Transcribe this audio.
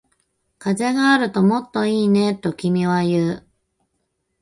風があるともっといいね、と君は言う